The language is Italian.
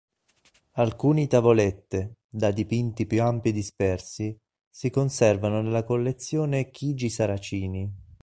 Alcuni tavolette, da dipinti più ampi dispersi, si conservano nella collezione Chigi Saracini.